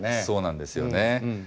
そうなんですよね。